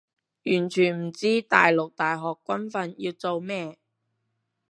完全唔知大陸大學軍訓要做咩